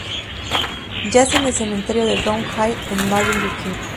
Yace en el cementerio de Round Hill en Marion, Virginia.